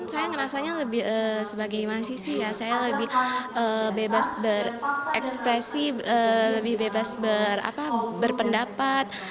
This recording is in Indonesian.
saya ngerasanya lebih sebagai mahasiswa ya saya lebih bebas berekspresi lebih bebas berpendapat